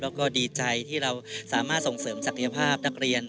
แล้วก็ดีใจที่เราสามารถส่งเสริมศักยภาพนักเรียน